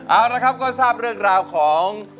เอาละครับก็ทราบเรื่องราวของ